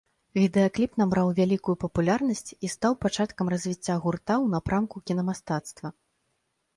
Відэакліп набраў вялікую папулярнасць і стаў пачаткам развіцця гурта ў напрамку кінамастацтва.